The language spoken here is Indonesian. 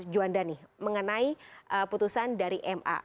juanda nih mengenai putusan dari ma